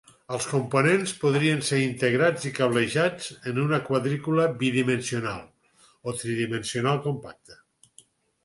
Els components podrien ser integrats i cablejats en una quadrícula bidimensionals o tridimensional compacta.